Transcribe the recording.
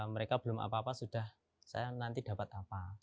mereka belum apa apa sudah saya nanti dapat apa